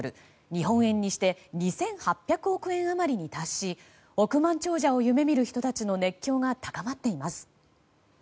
日本円にして２８００億円余りに達し億万長者を夢見る人たちの熱狂が高まっています。